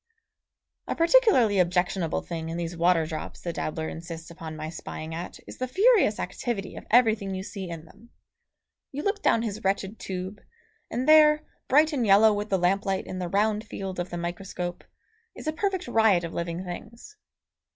A particularly objectionable thing in these water drops, the dabbler insists upon my spying at is the furious activity of everything you see in them. You look down his wretched tube, and there, bright and yellow with the lamplight in the round field of the microscope, is a perfect riot of living things.